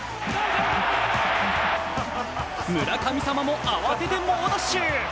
村神様も慌てて猛ダッシュ。